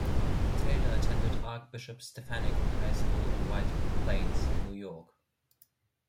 Taylor attended Archbishop Stepinac High School in White Plains, New York.